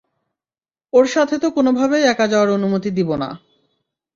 ওর সাথে তো কোনোভাবেই একা যাওয়ার অনুমতি দিবো না।